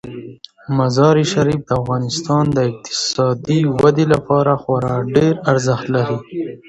مزارشریف د افغانستان د اقتصادي ودې لپاره خورا ډیر ارزښت لري.